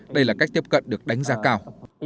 đây là cách tiếp cận được đánh giá cao